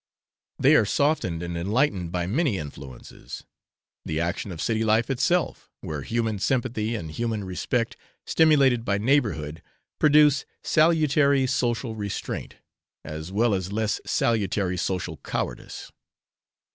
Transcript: They are softened and enlightened by many influences, the action of city life itself, where human sympathy, and human respect, stimulated by neighbourhood, produce salutary social restraint, as well as less salutary social cowardice.